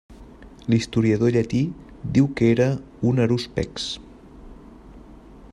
L'historiador llatí diu que era un harúspex.